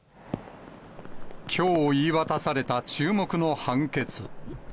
きょう言い渡された注目の判決。